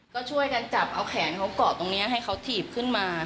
ก็ช่วยกันจับเอาแขนเขาเกาะตรงนี้ให้เขาถีบขึ้นมา